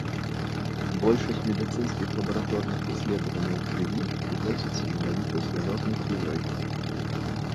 Большасць медыцынскіх лабараторных даследаванняў крыві праводзіцца менавіта з вянознай крывёй.